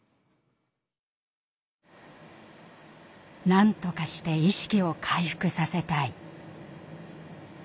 なんとかして意識を回復させたい。